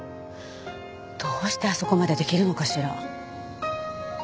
どうしてあそこまで出来るのかしら。